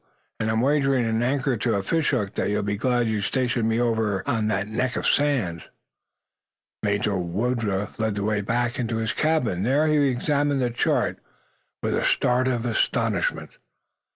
And I'm wagering an anchor to a fish hook that you'll be glad you stationed me over on that neck of sand." Major Woodruff led the way back into the cabin. There he examined the chart, with a start of astonishment.